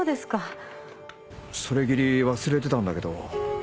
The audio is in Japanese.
それっきり忘れてたんだけど。